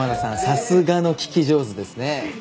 さすがの聞き上手ですね。